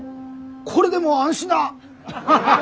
これでもう安心だ！